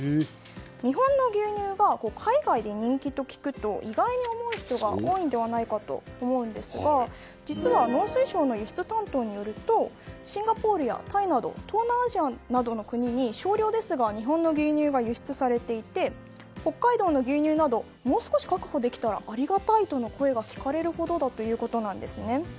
日本の牛乳が海外で人気と聞くと意外に思う人が多いのではないかと思うんですが実は農水省の輸出担当によるとシンガポールやタイなど東南アジアなどの国に少量ですが日本の牛乳が輸出されていて北海道の牛乳などもう少し確保できたらありがたいとの声が聞かれるほどということです。